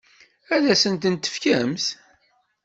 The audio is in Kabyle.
Ad asent-ten-tefkemt?